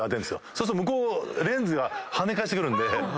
そうすると向こうレンズが跳ね返してくるんで。